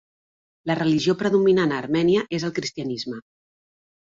La religió predominant a Armènia és el cristianisme.